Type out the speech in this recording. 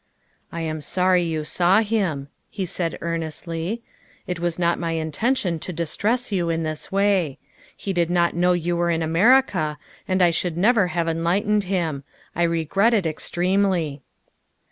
" I am sorry you saw him," he said earnestly. " It was not my intention to distress you in this way. He did not know you were in America and I should never have enlightened him. I regret it extremely."